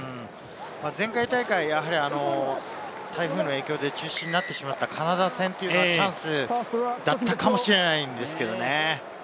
前回大会、台風の影響で中止になってしまったカナダ戦がチャンスだったかもしれないんですけれどね。